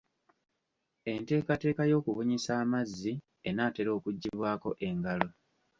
Enteekateeka y'okubunyisa amazzi enaatera okuggyibwako engalo.